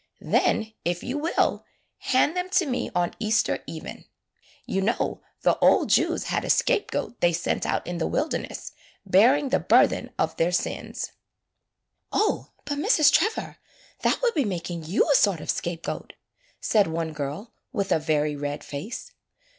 Then if you will, hand them to me on Easter [ 14 ] AN EASTER LILY Even. You know the old Jews had a scape goat they sent out in the wilderness bearing the burthen of their sins." ''O, but Mrs. Trevor, that would be making you a sort of scapegoat," said one girl with a very red face.